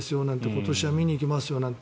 今年は見に行きますよなんて